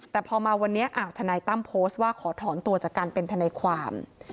แต่พอมาวันนี้ทนายตั้มโพสต์ว่าขอถอนตัวจากการเป็นทนายความ